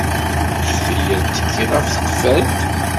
Ǧǧet-iyi ad tekkiɣ ɣef tqeffalt.